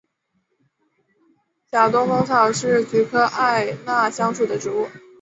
假东风草是菊科艾纳香属的植物。